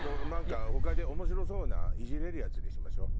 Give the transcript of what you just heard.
他で面白そうなイジれるやつにしましょ。